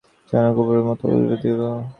সে যেন কপূরের মতো উবিয়া গেল!